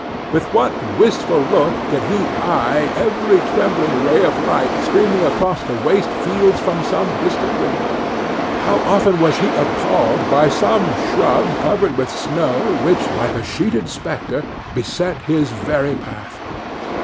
With what wistful look did he eye every trembling ray of light streaming across the waste fields from some distant window! How often was he appalled by some shrub covered with snow, which, like a sheeted spectre, beset his very path!